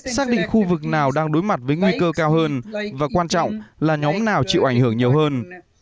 xác định khu vực nào đang đối mặt với nguy cơ cao hơn và quan trọng là nhóm nào chịu ảnh hưởng nhiều hơn